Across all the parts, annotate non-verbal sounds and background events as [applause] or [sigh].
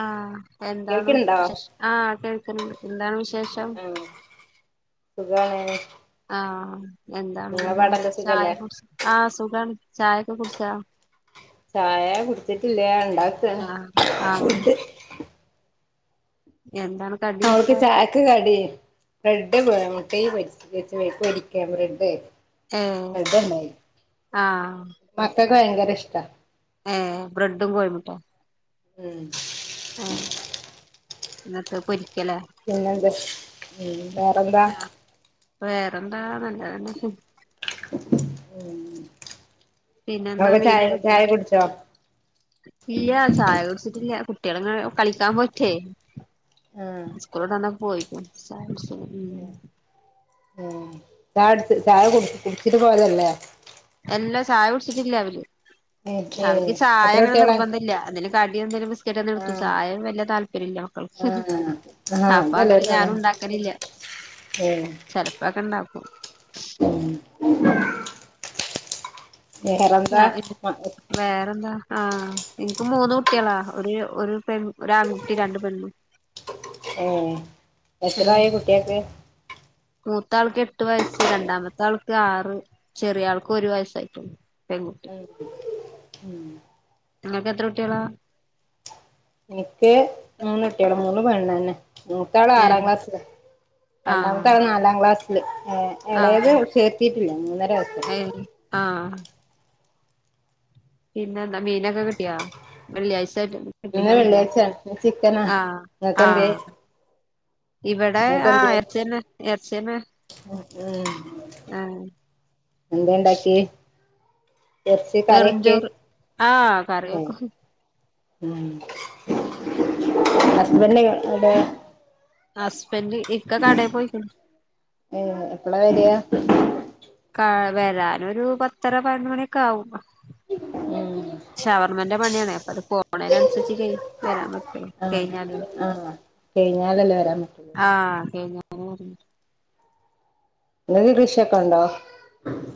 ആ എന്താണ് കേൾക്കണുണ്ടോ ശശ് ആ കേൾക്ക്ണ് ണ്ട് ന്താണ് വിശ് മ്മ് സുഖാണ് ആഹ് എന്താണ് നിങ്ങളെ പിന്നെ പാടെല്ലാം ചായ സുഖല്ലേ കുട് ആ സുഖാണ് ചായൊക്കെ കുട്ച്ചാ ചായ കുടിച്ചിട്ടില്യാ ഇണ്ടാക്കാണ് ആഹ് ആഹ് ഫുഡ്ഡ് എന്താണ് കടി അവക്ക് ചാ ചായക്ക് കടി ബ്രെഡ് മുട്ടേല് പൊരി വെച്ച് വേ പൊരിക്കാ ബ്രെഡ് ഏഹ് അതന്നെ ആഹ് മക്കക്ക് ഭയങ്കര ഇഷ്ടാ ഏഹ് ബ്രെഡും കോഴ്മുട്ടേ ഉം ഏ ന്നിട്ട് പൊരിക്കലാ പിന്നെന്താ വേറെന്താ ആഹ് വേറെന്താ നല്ലതന്നെ പിന്നെന്താ ഇങ്ങളൊക്കെ ചായ ചായ കുട്ച്ചോ ഇല്യാ ചായ കുട്ച്ചിട്ട്ല്യ കുട്യേള്ങ്ങനെ കളിക്കാ പോയ്ട്ടേ ആഹ് സ്കൂള്ട്ടടനെ പോയ്ക്ക്ണ് ചായ കുടിക്കാതെ ഉം ഉം ചായട്ച്ച് ചായ കു കുട്ച്ച്ട്ട് പോയതല്ലേ എല്ലാ ചായ കുടിച്ചിട്ടില്ല അവര് ഏഹ് ഏഹ് അവർക്ക് ചായ എത്ര അങ്ങനെ കുട്ടികളാ നിർബന്ധല്യ എന്തേലും കടി എന്തേലും ബിസ്ക്കേറ്റ് എന്തേലും ഇട്ത്തു ആഹ് ചായയ വല്യ താല്പര്യല്യ ഉം ആഹ് ആഹ് അപ്പൊ അങ്ങനെ അതെല്ലാവർക്കും ഞാനുണ്ടാക്കലില്ല ഏഹ് ചെലപ്പൊക്കെണ്ടാക്കും ഉം വേറെന്താ വേറെന്താ ആഹ് ഇൻക്ക് മൂന്ന് കുട്യളാ ഒരു ഒര് പെൺ ഒരാൺകുട്ടി രണ്ട് പെണ്ണും ഏ എത്രായി കുട്യേക്ക് മൂത്താൾക്ക് എട്ട് വയസ്സ്. രണ്ടാമത്താൾക്ക് ആറ് ചെറിയാൾക്ക് ഒരു വയസ്സായിട്ടൊള്ളൂ. പെങ്കുട്ടി ഉം ഉം നിങ്ങൾക്ക് എത്ര കുട്യളാ ഇൻക്ക് മൂന്നുട്യള് മൂന്നും പെണ്ണന്നെ മൂത്താള് ആറാം ഏഹ് ക്ലാസില് ആഹ് രണ്ടാമത്താള് നാലാം ക്ലാസ്സില് ഏ ഹ് എളേത് ആഹ് ചേർത്തിട്ട്ല്യാ മൂന്നര വയസ് ഏഹ് ആഹ് പിന്നെന്താ മീനൊക്കെ കിട്ടിയാ വെള്ളിയാഴ്ചായിട്ട് ഇന്ന് കിട്ടിണ്ടാവൂലലേ വെള്ളിയാഴ്ചയാണ് ഇന്ന് ചിക്കനാ ആഹ് നിങ്ങക്കെന്തേ ആഹ് ഇവടെ ആഹ് നിങ്ങക്കെന്തേ എർച്ചന്നെ എർച്ചന്നെ ഉം ഉം ആഹ് എന്താണ്ടാക്കിയെ എറച്ചി കറിക്കെ വെറുംചോറ് ആഹ് കറി വെക്കും ഉം ഹസ്ബൻഡ് [unintelligible] ഹസ്ബൻഡ് ഇക്ക കടെ പൊയ്ക്ക്ണ് ഏഹ് എപ്പളാ വരാ ക്കാ വരാനൊരു പത്തര പൈനൊന്ന് മണിക്കാകും ഉം ഷവർമെന്റെ പണിയാണേ അപ്പൊ അത് പോണെനന്സരിച്ച് കയ് വരാൻ പറ്റൊള്ളൂ കഴിഞ്ഞാലേ ആഹ് കെയ്ഞ്ഞാലല്ലേ വരാൻ പറ്റൂ ആഹ് കഴിഞ്ഞ് [inaudible] ഇങ്ങക്കാ കൃഷിക്കെ ഇണ്ടോ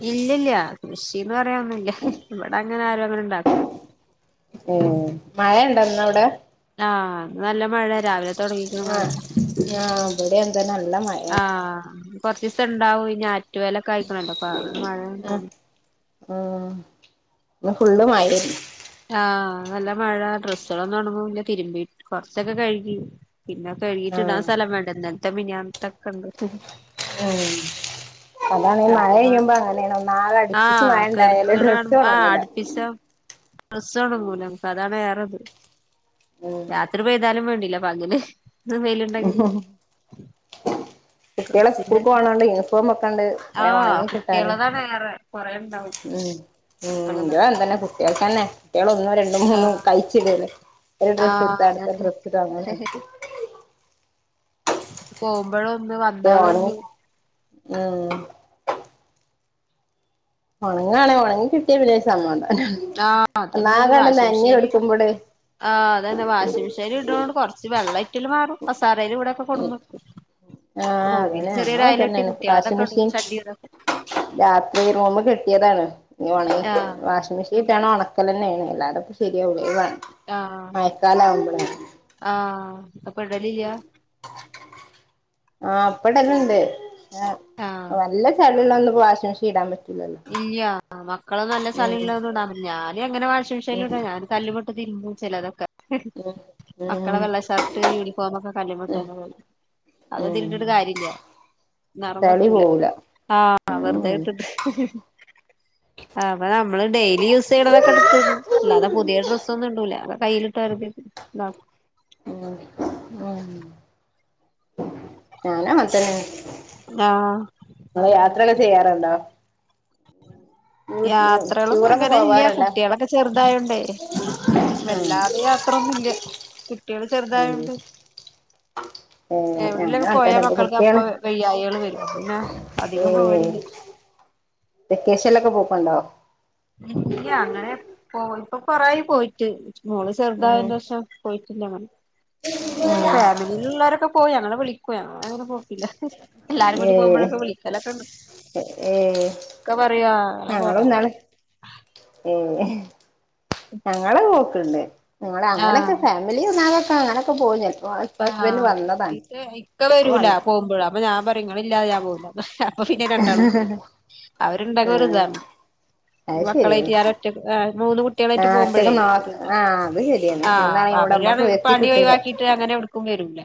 ഇല്ലില്യ കൃഷീന്ന് പറയാൻ ഒന്നൂല്ല്യ ഇവടങ്ങനെ ആരും അങ്ങനെണ്ടാക്കൊന്നു ഉം മയണ്ടോന്ന് അവിടെ ആഹ് നല്ല മഴ രാവിലെ തുടങ്ങേക്ക്ണ് മഴ ആഹ് ആഹ് ഇവിടെ എന്താ നല്ല മഴയാണ് ആഹ് കൊറച്ചീസണ്ടാവും ഈ ഞാറ്റുവേലൊക്കെ ആയിക്കണണ്ടപ്പാ അ മഴയ തോന്നുന്നു ഉം ഇന്ന് ഫുള്ള് മയേര്ന്ന് ആഹ് നല്ല മഴ ഡ്രസ്സ്കളൊന്നും ഒണങ്ങൂല്ല തിരുമ്പി കൊറച്ചൊക്കെ കഴുകി പിന്നെ കഴുകീട്ട്ടാ ആഹ് സലം വേണ്ടേ ഇന്നലത്തെ മിനിയാന്ന്ത്തക്കെണ്ട് ഓ അതാണ് മഴ കെടക്കുമ്പോ കഴഞ്ഞുമ്പണല്ലണം നാളെ അടുപ്പിച്ച് ആഹ് മഴ ഇണ്ടായല് കെടക്കണ ഡ്രസ്സ് കാണുമ്പോ ആഹ് ഓണങ്ങൂല അടുപ്പിച്ച ഡ്രസ്സ് ഒണങ്ങൂല നമക്ക് അതാണ് ഏറത് ഉം രാത്രി പെയ്താലും വേണ്ടില്ല പകല് വെയിൽണ്ടെങ്കില് കുട്ടികള് സ്കൂൾക്ക് [unintelligible] പോണോണ്ട് യൂണിഫോം ഒക്കെ ഉണ്ട് വേഗം ആഹ് ഉണങ്ങി കിട്ടാന് കുട്ടികൾടെ താണ് ഏറെ കൊറെ ഉണ്ടാവും ഉം ഉം ഇതും അങ്ങനെ തന്നെ കുട്ടികൾ തന്നെ കുട്ടികൾ ഒന്നും രണ്ടും മൂന്നും ആഹ് കഴിച്ചിടല് എ ഡ്രസ്സ് എടു ആഹ് അടുത്ത അതന്നെ ഡ്രസ്സ് അങ്ങന പോവുമ്പളും ഇതും എന്താ പണി ഉം ഉണങ്ങാണ ഉണങ്ങി കിട്ടിയ പിന്നെ സമാധാനാ ആഹ് അതന്നെ ഇത് ഒന്നാകെ വാഷിംഗ് നനഞ്ഞ് മെഷീന് കൊടുക്കുമ്പോട് ആഹ് അതന്നാ വാഷിംഗ് മെഷീൻ ഇട ന്നോണ്ട് കൊണ്ട് കുറച്ച് വെള്ളം ഇറ്റിൽ മാറും കസേരയിൽ കൂടെ കൊടുന്നെക്കും ആഹ് റൂമി അതന്നെ ഞങ്ങളും ചെറിയൊരുയലട്ടി ഇതന്നെയാണ് വാഷിംഗ് കുട്ടികളൾതൊക്കെ മെഷീൻ ഇടും ശഡി ഇതൊക്കെ രാത്രി ഒന്ന് കെട്ടിയതാണ് ഞ് ഒണങ്ങി ആഹ് വാഷിംങ് മെഷീൻ വീട്ടാണ് ഉണക്കല് തന്നെ ആണ് അല്ലാതെപ്പോ ശരിയാവൂല ആഹ് മഴക്കാലാവുമ്പളേ ആഹ് അപ്പൊ ഇടലില്ല ആഹ് അപ്പടല്ലാംണ്ട് ആഹ് നല്ല ചെളിള്ളത് ഒന്ന് വാഷി മെഷീൻ ഇടാൻ പറ്റും ഇല്ല മക്കള് നല്ല ഉം ചളിള്ളതൊന്നും ഞാനും എങ്ങനെ വാഷിം മിശിയില ഇട ഞൻ കല്ല് മ്മെ ഇട്ട് തിരുമ്പും ചെലതൊക്കെ ഉം മക്കളെ വെള്ള ഷർട്ട് യൂണിഫോം ഒക്കെ കല്ലുമ്മെ ഉം ഇട്ട് ഉം തന്നെ കഴുകും അത് ഇതിൽ ഉം ഇട്ടിട്ടു കാര്യല്ല നിറം ചളി വെക്കൂല പോവൂല ആഹ് വെറുതെ ഉം ഇട്ടിട്ട് അപ്പൊ നമ്മള് ഡെയിലി യൂസ് ചെയ്യണതൊക്കെ എടുത്തു അല്ലാതാ പുതിയ ഡ്രസ്സ് ഒന്നും ഇണ്ടൂല്ല അത് കയ്യിലിട്ട് ഒരതി ഇതാക്കും ഉം ഉം ഞാനും അങ്ങനെത്തന്നെ ആഹ് നിങ്ങൾ യാത്രയൊക്കെ ചെയ്യാറുണ്ടോ യാത്രകളൊന്നും ടൂറൊക്കെ അങ്ങനെ ഇല്ല പോവാറുണ്ടോ? കുട്ടികളൊക്കെ ചെറുതായോണ്ടേ ആഹ് വല്ലാതെ യാത്രൊന്നുമില്ല കുട്ടികള് ഉം ഏഹ് ചെറുതായോണ്ട് [unintelligible] എവിടെലൊക്കെ പോയാൽ അങ്ങൻതന്നെ ഇപ്പൊ മക്കൾക്ക് കുട്ടിയാണ് അപ്പൊ വയ്യായികൾ വരും പിന്നെ അധികം പോകലില്ല വെക്കേഷൻ ലൊക്കെ പോക്കുണ്ടാ ഇല്ല്യ. അങ്ങനെ പോ ഇപ്പൊ കൊറെയായിപ്പോയിട്ട്. മോള് ഉം ചെറുതായേന്റെഷം. വീട്ടിന്റെ പണി. ഇവെടെ ഉം ഫാമിലി ല്ലൊള്ളവരൊക്കെ പോയി. ഞങ്ങളെ വിളിക്കും. ഞങ്ങളങ്ങനെപ്പോക്കില്ല. എല്ലാരും കൂടി ഏഹ് പോകുമ്പോഴൊക്കെ വിളിക്കും. ചലക്കണ്ട് ഏഹ് ഒക്കെ പറയാ ഞങ്ങളും ഇന്നാള് ഏഹ് ഞങ്ങള് പോക്കണ്ട് നിങ്ങള് അങ്ങനൊക്കെ ആഹ് ഫാ [unintelligible] അങ്ങനൊക്കെ പോകും ചെലപ്പൊ ആഹ് ഇക്കെ വരൂല വന്ന് പോകുമ്പോഴ അപ്പൊ ഞാൻ പറയും ഇങ്ങള് ഇല്ലാതെ ഞാൻ പോവൂല അപ്പൊ പിന്നെ രണ്ടാളും പോയി അവരുണ്ടെങ്കി ഒരു ആഹ് ഇതാണ് അത് ശരിയാണ് മക്കളായിട്ട് ഞാനൊറ്റക്ക് മൂന്ന് കുട്ടികളായിട്ട് ആഹ് ഒറ്റക്ക് പോകുമ്പോഴേ നോ ഒരു ആഹ് അത് ശരിയാണ് ആഹ് മൂന്നാളെയും കൂടെ അവരാണ് നമ്മക്ക് എത്തി പണി കിട്ടൂല ഒഴിവാക്കിട്ട് അങ്ങനെ പ്പം വരൂല്ല.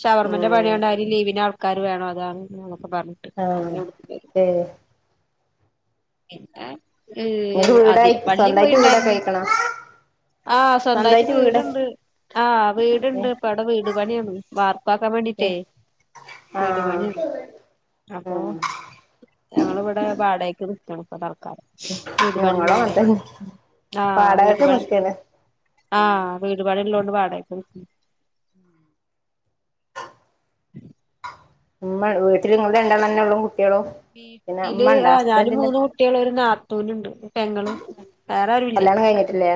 ഷവർമ്മെന്റെ ഉം പണിയോണ്ട് ആരിം ലീവിന് ആൾക്കാര് വേണം. അതാണ് ഇതാണൊക്കെ പറഞ് ആഹ്, ഹേ.., പിന്നെ, ഏഹ് നിങ്ങക്ക് എവ്, വീടായി അതിരപള്ളി സ്വന്തായിട്ട് വീടൊക്കെ പോയ്ണ്ടാരുന്നു. ആയിക്കണോ ആഹ്, സ്വന്തായിട്ട് വീട്ണ്ട്. ആഹ്, ഏ വീട്ണ്ട്. ഇപ്പൊവടെ വീട് പണിയാണ്. വാർപ്പാക്കാൻ ഏ വേണ്ടീട്ടേയ്, ആഹ് വീടുപണിയാണ്. അപ്പൊ, ഉം ഞങ്ങളിവിടെ വാടകക്ക് നിക്കണ് ഇപ്പ തൽക്കാലം. ഞങ്ങളും അങ്ങനെ വീടുപണിള്ളോണ്ടേയ്. തന്നെ ആഹ്, വാടകക്ക് വീടുപണിയുള്ളോ നിക്കാണ് ആഹ് വീടുപ്പണിള്ളോണ്ട് വാടകക്ക് നിക്കണ്. [inaudible] മ്മ വീട്ടില് നിങ്ങള് രണ്ടാള് തന്നെയൊള്ളു. കുട്ടികളോ? വീട്ടില്, ആഹ് ഞാനും മൂന്ന് കുട്ടിയോളും ഒരു നാത്തൂനുണ്ട്. പെങ്ങെള് കല്യാണം കഴിഞ്ഞിട്ടില്ലേ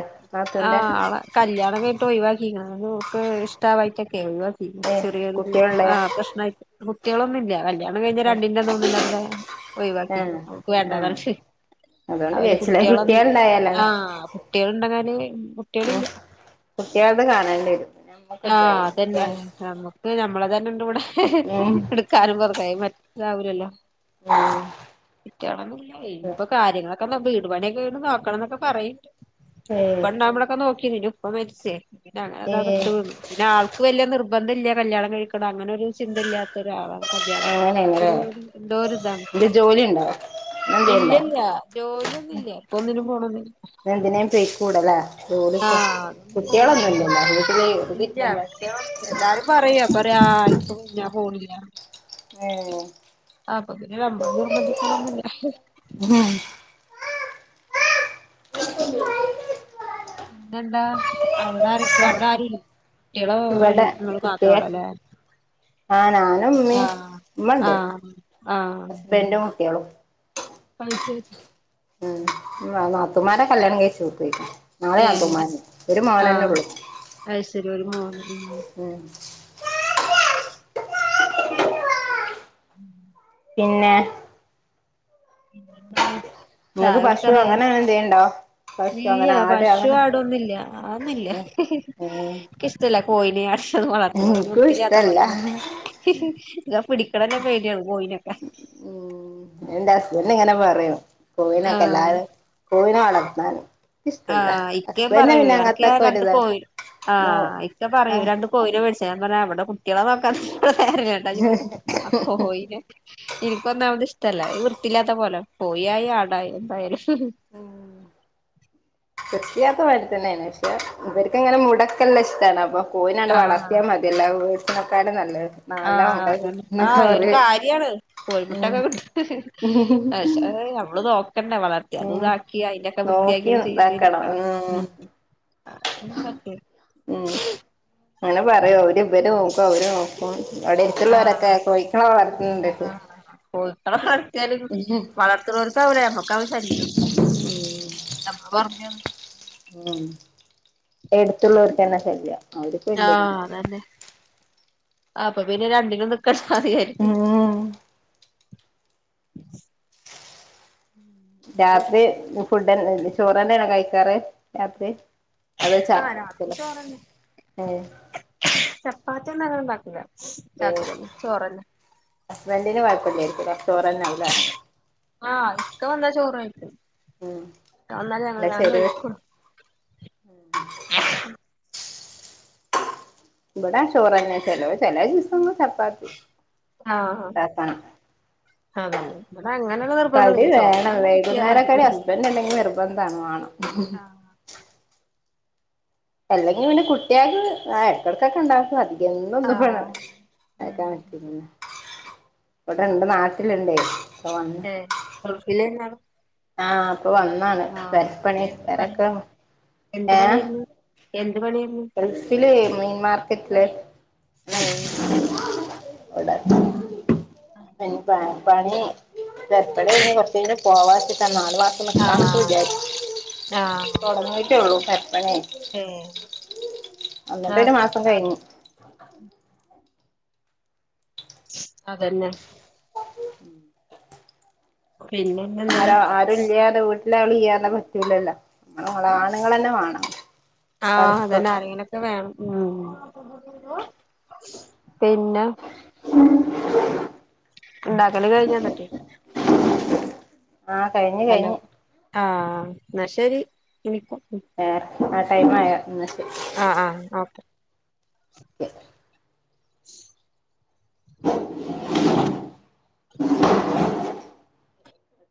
ആ നാത്തൂന്റെ? ആളെ കല്യാണം കഴിഞ്ഞിട്ട് ഒഴിവാക്കിക്ക്ണ്. അതോക്ക് ഇഷ്ടവായിട്ടൊക്കെയ്, ഒഴിവാ പിന്നെ, ഏ ചെറിയൊരു കുട്ടികളുണ്ടായ ആഹ്, പ്രശ്നായ്ട്ട്. കുട്ടികളൊന്നുല്ല. കല്യാണം കഴിഞ്ഞ് രണ്ടിന്റന്ന് [unintelligible] [unintelligible] ഒഴിവാക്കി. ആഹ് ഓക്ക് വേണ്ടാന്ന് ആഹ് ന്നറഞ്ഞിട്ടേ. അതുകൊണ്ട് അവര് കഴിച്ചില്ല കുട്ടികളൊന്നില്ല. കുട്ടികളുണ്ടായാലാണ് ആഹ്, കുട്ടികളൊണ്ടെന്നാല്. ഉം കുട്ടികളത് കാണേണ്ടി വെരും ന ആഹ്, അതന്നെ. ഞമ്മക് ക്ക് നമ്മളെതെന്നെണ്ട് വടെ. ഉം എടുക്കാനും പെറുക്കാനു മറ്റേതാവുലല്ലോ!. ഇക്കേണൊന്നില്ല. ഉം ഇനിയിപ്പൊ കാര്യങ്ങളെക്കെ ന്താ വീട് പണിയൊക്കെക്കഴിഞ്ഞിട്ട് മാറും. ക്കണന്നെക്കെ പറയ്ണ്ട്. ഏ ഉപ്പ ണ്ടാവുമ്പോയൊക്കെ നോക്കിന്ന്. പിന്നെ, ഉപ്പ മരിച്ചേ. പിന്നെ, അങ്ങനെ ഏ അതാണ്ട് പിന്നെ, ആൾക്ക് വല്യ നിർബന്ധയില്യാ. കല്യാണം കഴിക്കണം, അങ്ങനൊരു ചിന്തല്ല്യാത്തരൊളാണ്. കല്യാണം. അങ്ങനെയാണല്ലേ [inaudible] എന്തോ രിതാണ്. ഇത് ജോലി ഉണ്ടോ എന്തേണ്ടോ ഇല്ലല്ല. ജോലിയൊന്നുല്ല. ഇപ്പ ഒന്നിനും പോണോന്നുല്ല. എന്തിനേയും പേയ്ക്കൂടല്ലേ. ജോലിക്ക്. അതൊന്നും പോണില്ല ഇപ്പൊ കുട്ടികളൊന്നുല്ലല്ലേ. വീട്ടിലെ ഇല്ല [unintelligible] കുട്ടികളൊന്നും എല്ലാരും പറയും. അപ്പൊറിം ആഹ്, ൻക്ക്, ഞാ പോണില്യാ. ഏഹ്! അപ്പൊ പിന്നെ നമ്മെള് നിർബന്ധിക്കുക്കൊന്നില്ല. [unintelligible] പിന്നെന്താ? അവെടെരൊക്കെ. അവെടെയാരുല്ലേ? ഇവ്ടെ, ഇൻ, ഇവിടെ ങ്ങള് കുട്ടിയെ മാത്രോള്ളല്ലേ? ആ ഞാനും ഉമ്മീം ആഹ്, ഉമ്മണ്ട് ആഹ്, ആഹ്. ഹസ്ബൻഡും കുട്ടികളും പയ്ത്തേ ഉം. നാ, നാത്തൂമാരെ കല്യാണം കഴിച്ചു പൊയ്ക്കണ്. നാല് ഏഹ് നാത്തൂമാര്ണ്ട്. ആഹ് മോനെന്നൊള്ളൂ. അത് ശരി ഒരു മോന് ഉം ഉം. [inaudible] ഉം പിന്നെ [inaudible] നിങ്ങക്ക് പശു കുടിക്കാനായ അങ്ങനെ എന്തെലുണ്ടോ? ഇല്ല പശു ആടൊന്നുംല്ല ആവുന്നില്ല. ഉം ഉം നിക്ഷ്ട്ടല്ല കോഴി നെ ആടിനെ വളർത്തണത് ഒരു എനിക്കും വൃത്തി ല്ലാത്ത പോലെല്ലെ. ഇഷ്ടല്ല ഞാ പിടിക്കണെന്നെ പേടിയാണ്, കോഴിനെക്കെ. ഉം, എന്റെ ഹസ്ബൻഡിങ്ങനെ പറയും, കോഴിനെ ആഹ് കൊല്ലാതെ കോയിനേവളർത്താന് ആഹ്, ഇക്കേം പറയോയ്, അനക്ക് ഞാൻ അങ്ങനത്തൊക്കെ രണ്ട് ഒരിതാണ് കോഴി, നോ ആഹ്, ഇക്കെ പറയും ആഹ് രണ്ട് കോഴീനേ മേടിച്ചു തരാം. ഞാ പറയും, ആഹ്, ഇവെടെ കുട്ടിയാളെ നോക്കാൻ വെടെ നേരമില്ലാ ന്നട്ടപ്പൊ കോഴീനേ. എനിക്കൊന്നാമത് ഇഷ്ടവല്ല. ഈ വൃത്തിയില്ലാത്തപ്പോലെ കോയിയായി ആടായി. എന്തായാലും ഉം. വൃത്തിയാക്ക് പാട് തന്നെയാണ്. പക്ഷെ ഇവർക്കങ്ങനെ മുടക്കെല്ലായിഷ്ടാണപ്പൊ കോയിനങ്ങോട്ട് ആഹ് വളർത്തിയാ മതി. ല്ലാ വീഴ്സിനൊക്കാരും നല്ലത്. നല്ല ആഹ് മുട അതല്ലെ കിട്ടുന്നൊക്കെ ആഹ് ഒരു പറയും കാര്യാണ് ഉം കോഴിമുട്ടൊക്കെ കിട്ട ആ ശ്റായി നമ്മള് നോക്കണ്ടേ വള അത് ഉം ഇതാക്കി അതിന്റെക്കെ നോക്കി വൃത്തിയാക്കി ഇതാക്കണം ചെയ്തിരിക്കണം. മ് ഉം അതൊന്നും പറ്റുല്ല. ഉം അങ്ങനെ പറയൂ അവര് ഇവര് നോക്കും അവര അവിടെ ഇടുത്തുള്ളവരൊക്കെ ആഹ് കോഴിക്കളെ വളർത്തണ്ട്. എന്താലും വളർത്തുന്നവർക്കവില്ല നമ്മുക്കാവും ശല്യം. അപ്പോ കുറഞ്ഞ് വന്നു. ഉം എടുത്തുള്ളവർക്ക്ന്നെ ശല്യ ആഹ് അതന്നെ അപ്പൊ പിന്നെ രണ്ടിനും നിക്കണ്ട സായിരിക്കും. ഉം രാത്രി ഫുഡ്ന്ന ചോറ്ന്നെ ണോ കഴിക്കാറ് രാത്രി അത് വച്ചാ ആഹ് രാത്രി ചോറന്നെ ഏഹ് ചപ്പാത്തി ഒന്നും ഞങ്ങൾ ണ്ടാക്കുല്ല രാത്രിന്നും ചോറന്നെ ഹസ്ബൻഡറിന് കുഴപ്പലേക്കും ചോറന്നേ ആവുല്ലേ ആഹ് ഇക്ക വന്നാ ചോറ് കഴിക്കും ഉം അഹ് വന്നാൽ ഞങ്ങൾ ഞൻ കഴികൊള്ളു ഉം ഇവിടെ ചോറെന്നെ ചെല ചെല ദിവസം ചപ്പാത്തി ആഹ ഉണ്ടാക്കണം അങ്ങനെയുള്ള കടി നിർബന്ധമില്ല വേണം ചോറെന്നെ കിട്ടിയാ മതി വൈകുന്നേരംക്കെടി ഹസ്ബൻഡ് എന്തെങ്കിലും നിർബന്ധമാണ് വേണം. ഉം അല്ലെങ്കിൽ പിന്നെ കുട്ടിക്ക് ആ ഇടക്കിടക്കൊക്കെ ഇണ്ടാക്കുന്നു അധികം എന്നൊന്നും ആഹ് ഇണ്ടാക്കാൻ പറ്റോ പിന്നെ ഇവിടെണ്ട് നാട്ടിലുണ്ടേ ഇപ്പ വന്നിട്ട് ഗൾഫിലേനോ ആള് ആഹ അപ്പൊ വന്നാണ് പരപ്പണി എന്ത് പരയെ പണി ഒക്കെ എന്ത് ഹെ പണിയായിരുന്നു എന്ത് പണിയരുന്നു ഗൾഫില് മീൻ മാർക്കറ്റില് ഹെ വിടെ അയ്ന്പാ പണി പെരപ്പണ്യേനി കൊറച്ച് കഴിയിപോവാട്ടാ നാല് മാസൊക്കെ നിക്കാ ആഹ് വിചാരിച്ചു തുടങ്ങിട്ടേള്ളൂ പരപ്പണി. ഹെ വന്നിട്ട് ഒരു മാസം കഴിഞ്ഞു. അതന്നെ പിന്നെന്നെന്താ ഹലോ ആരും ഇല്ലാതെ വീട്ടില് ആള് ഇല്ലാതെ പറ്റിലല്ലോ ആണുങ്ങളന്നെ വേണം. ആഹ അതെന്ന പണിക്കൊക്കെ ആരെങ്കിലുംക്കെ വേണം ഉം പിന്നെ ഇണ്ടാക്കല് കഴിഞ്വന്നിട്ട് ആഹ് കഴിഞ് ഹലോ കഴിഞ്ഞ്. ആഹ് എന്നാ ശരി എനിക്കും വേറെ ആ ടൈമ് ആയാ എന്ന ശെരി. ആ ആ ഓക്കെ [unintelligible]